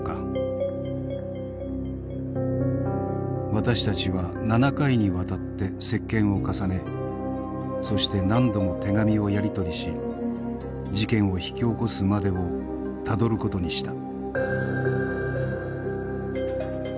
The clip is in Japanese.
私たちは７回にわたって接見を重ねそして何度も手紙をやり取りし事件を引き起こすまでをたどることにした。